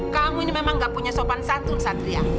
kamu ini memang gak punya sopan satu satria